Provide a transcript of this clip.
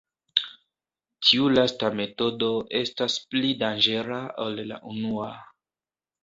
Tiu lasta metodo estas pli danĝera ol la unua.